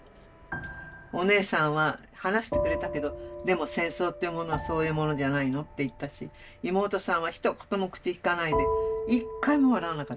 お姉さんは話してくれたけどでも戦争というものはそういうものじゃないのって言ったし妹さんはひと言も口きかないで一回も笑わなかった。